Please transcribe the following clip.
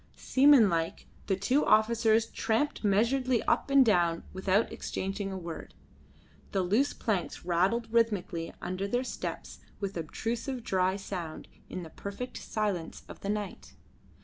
Seamanlike, the two officers tramped measuredly up and down without exchanging a word. The loose planks rattled rhythmically under their steps with obstrusive dry sound in the perfect silence of the night.